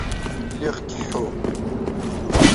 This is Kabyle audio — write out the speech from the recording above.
Lliɣ keḥḥuɣ.